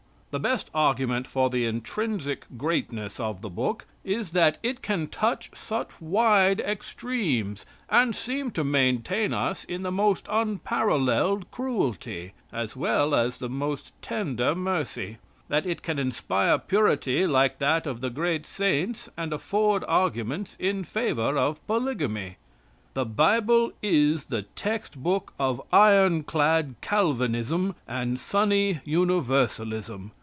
The best argument for the intrinsic greatness of the book is that it can touch such wide extremes, and seem to maintain us in the most unparalleled cruelty, as well as the most tender mercy; that it can inspire purity like that of the great saints and afford arguments in favor of polygamy. The Bible is the text book of ironclad Calvinism and sunny Universalism.